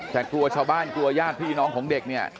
แต่กลัวชาวบ้านกลัวญาติพี่น้องของเด็กเนี่ย